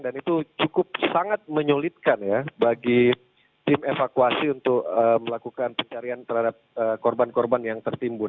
dan itu cukup sangat menyulitkan ya bagi tim evakuasi untuk melakukan pencarian terhadap korban korban yang tertimbun